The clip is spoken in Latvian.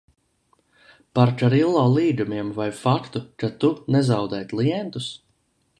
Par Karillo līgumiem vai faktu, ka tu nezaudē klientus?